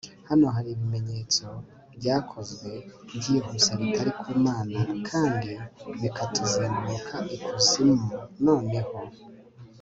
Hano hari ibimenyetso byakozwe byihuse bitari ku Mana kandi bikatuzenguruka ikuzimu noneho